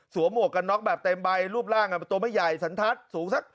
หมวกกันน็อกแบบเต็มใบรูปร่างตัวไม่ใหญ่สันทัศน์สูงสัก